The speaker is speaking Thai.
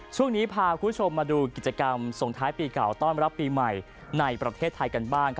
ช่วงนี้พาคุณผู้ชมมาดูกิจกรรมส่งท้ายปีเก่าต้อนรับปีใหม่ในประเทศไทยกันบ้าง